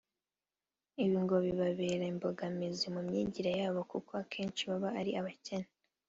Ibi ngo bibabera imbogamizi mu myigire yabo kuko akenshi baba ari abakene